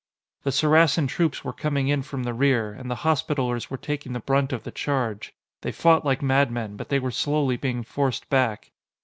The Saracen troops were coming in from the rear, and the Hospitallers were taking the brunt of the charge. They fought like madmen, but they were slowly being forced back.